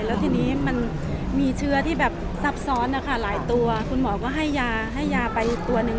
แล้วทีนี้มันมีเชื้อที่แบบซับซ้อนนะคะหลายตัวคุณหมอก็ให้ยาให้ยาไปอีกตัวหนึ่ง